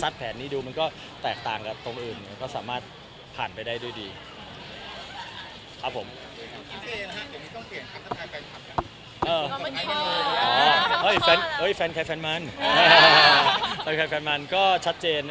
แฟนใครแฟนมันก็ชัดเจน